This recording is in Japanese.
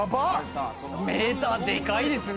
メーター、でかいですね！